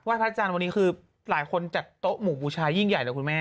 ไหว้พระจันทร์วันนี้คือหลายคนจัดโต๊ะหมู่บูชายิ่งใหญ่แล้วคุณแม่